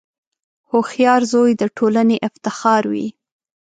• هوښیار زوی د ټولنې افتخار وي.